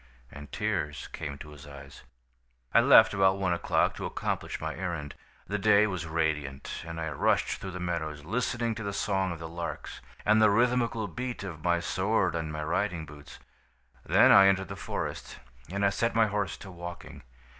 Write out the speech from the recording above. "And tears came to his eyes. "I left about one o'clock to accomplish my errand. "The day was radiant, and I rushed through the meadows, listening to the song of the larks, and the rhythmical beat of my sword on my riding boots. "Then I entered the forest, and I set my horse to walking.